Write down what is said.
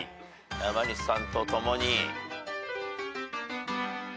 山西さんとともに。